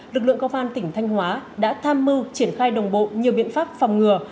lực lượng công an tỉnh thanh hóa đã tham mưu triển khai đồng bộ nhiều biện pháp phòng ngừa